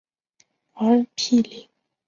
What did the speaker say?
而毗邻附近有大型住宅项目升御门。